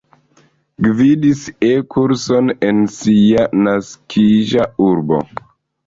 Gvidis E-kurson en sia naskiĝa urbo.